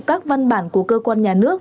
các văn bản của cơ quan nhà nước